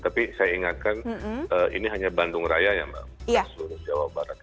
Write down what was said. tapi saya ingatkan ini hanya bandung raya yang kasur di jawa barat